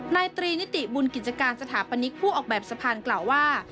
นายตรีนิติบุญกิจการสถาปนิกผู้ออกแบบสะพานกล่าวว่า